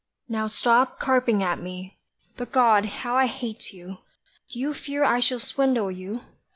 Now stop carping at me. But God, how I hate you! Do you fear I shall swindle you?